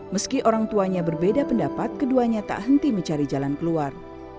meski orang tuanya berbeda pendapat keduanya tak henti mencari jalan keluar